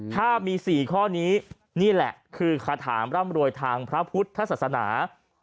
ถ้ามี๔ข้อนี้นี่แหละคือคาถามร่ำรวยทางพระพุทธศาสนา